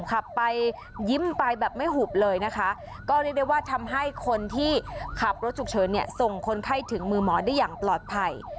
ขับไปยิ้มไปแบบไม่หุบเลยนะคะก็เรียกได้ว่าทำให้คนที่ขับรถฉุกเฉินเนี่ยส่งคนไข้ถึงมือหมอได้อย่างปลอดภัย